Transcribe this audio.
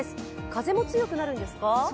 風も強くなるんですか？